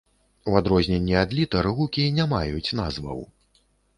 У адрозненне ад літар гукі не маюць назваў.